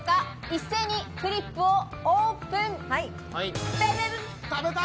一斉にクリップをオープン。